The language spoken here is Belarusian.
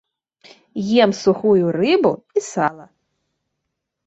Ем сухую рыбу і сала.